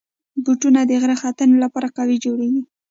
بوټونه د غره ختنې لپاره قوي جوړېږي.